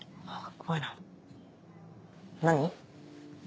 怖いな何？